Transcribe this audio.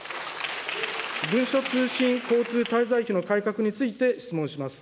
文書通信交通滞在費の改革について質問します。